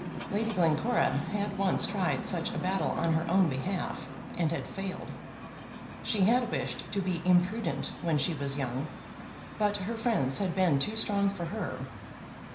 Lady Glencora had once tried such a battle on her own behalf, and had failed. She had wished to be imprudent when she was young; but her friends had been too strong for her.